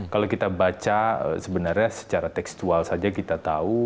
kalau kita baca sebenarnya secara tekstual saja kita tahu